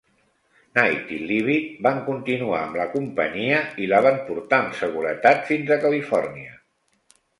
Knight i Leavitt van continuar amb la companyia i la van portar amb seguretat fins a Califòrnia.